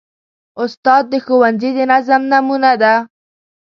استاد د ښوونځي د نظم نمونه ده.